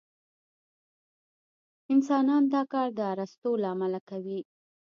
انسانان دا کار د اسطورو له امله کوي.